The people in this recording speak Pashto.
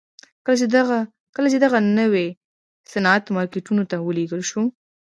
کله چې دغه نوی صنعت مارکیټونو ته ولېږل شو